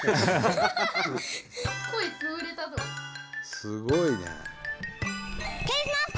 すごいね。